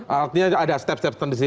artinya ada step step step di sini